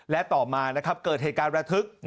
และต่อมานะครับเกิดเหตุการณ์ระทึก